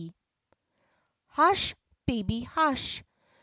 B ush, baby hush!